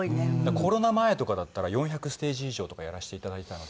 コロナ前とかだったら４００ステージ以上とかやらせていただいてたので。